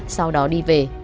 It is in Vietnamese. sau đó đi về